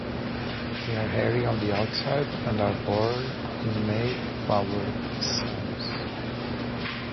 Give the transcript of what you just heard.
They are hairy on the outside and are borne in may flowered cymes.